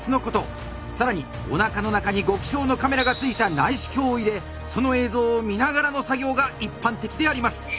更におなかの中に極小のカメラがついた内視鏡を入れその映像を見ながらの作業が一般的であります。